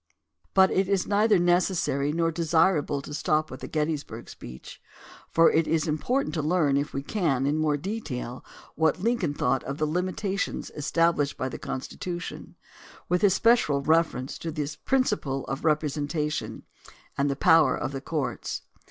But it is neither necessary nor desirable to stop with the Gettysburg speech, for it is important to learn, if we can, in more detail what Lincoln thought of the limitations established by the Constitution with espe cial reference to the principle of representation and the power of the courts.